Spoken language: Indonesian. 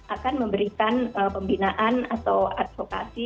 akan memberikan pembinaan atau advokasi